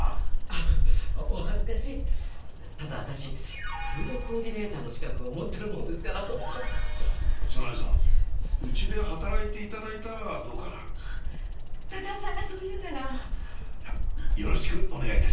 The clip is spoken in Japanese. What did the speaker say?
あっお恥ずかしいただ私フードコーディネーターの資格を持ってるもんですから早苗さんうちで働いて頂いたらどうかな忠雄さんがそういうならじゃよろしくお願い致します